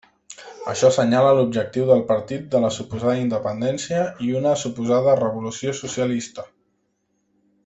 Això senyala l'objectiu del partit de la suposada independència i una suposada revolució socialista.